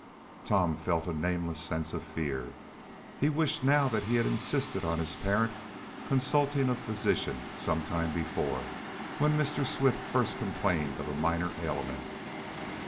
Tom felt a nameless sense of fear. He wished now that he had insisted on his parent consulting a physician some time before, when Mr. Swift first complained of a minor ailment.